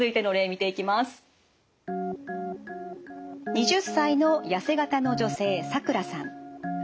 ２０歳の痩せ形の女性サクラさん。